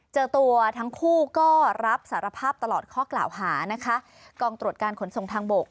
เจอตัวทั้งคู่ก็รับสารภาพตลอดข้อกล่าวหานะคะกองตรวจการขนส่งทางบก